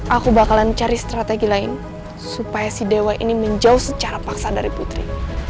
aku bakalan cari strategi lain supaya si dewa ini menjauh secara paksa dari putri